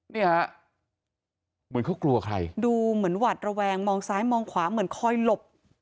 เนี่ยฮะเหมือนเขากลัวใครดูเหมือนหวัดระแวงมองซ้ายมองขวาเหมือนคอยหลบ